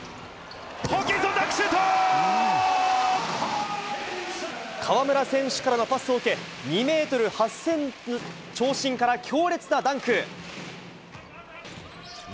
ホーキンソン、ダンクシュー河村選手からのパスを受け、２メートル８センチの長身から放つ強烈なダンク。